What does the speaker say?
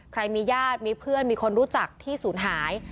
ใครมีญาติมีเพื่อนมีคนรู้จักที่ศูนย์หาย